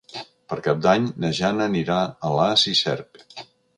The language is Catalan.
Per Cap d'Any na Jana anirà a Alàs i Cerc.